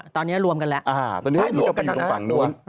ตอนนี้รวมกันแล้ว